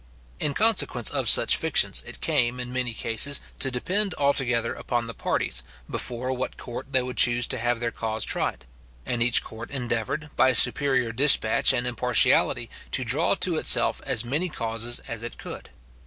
In consequence of such fictions, it came, in many cases, to depend altogether upon the parties, before what court they would choose to have their cause tried, and each court endeavoured, by superior dispatch and impartiality, to draw to itself as many causes as it could.